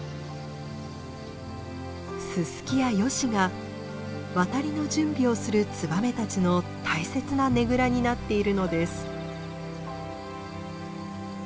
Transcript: ススキやヨシが渡りの準備をするツバメたちの大切なねぐらになっているのです。